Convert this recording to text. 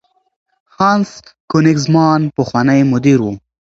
هانس کوېنیګزمان پخوانی مدیر و.